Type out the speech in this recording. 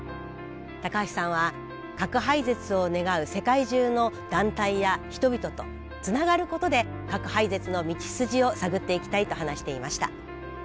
高橋さんは核廃絶を願う世界中の団体や人々とつながることで核廃絶の道筋を探っていきたいと話していました。